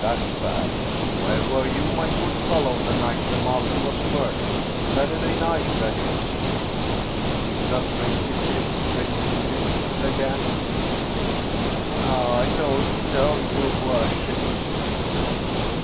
That's bad! Where were you, my good fellow, the night the master was murdered? Satur day night, that is." Nicholas raised his head, stretched his neck, and began to think. " I don't know, your worship," he said.